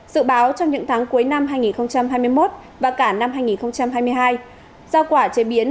dự báo trong những tháng cuối năm hai nghìn hai mươi một và cả năm hai nghìn hai mươi hai rau quả chế biến